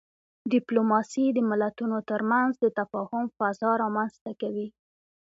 ډيپلوماسي د ملتونو ترمنځ د تفاهم فضا رامنځته کوي.